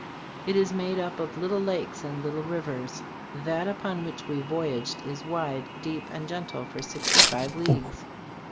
It is made up of little lakes and little rivers. That upon which we voyaged is wide, deep and gentle for sixty five leagues."